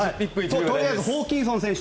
とりあえずホーキンソン選手